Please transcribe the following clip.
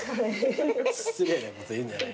失礼なこと言うんじゃないよ。